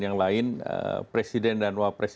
yang lain presiden dan wapres